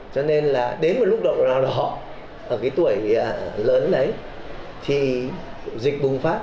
cho nên là đến một lúc nào đó ở cái tuổi lớn đấy thì dịch bùng phát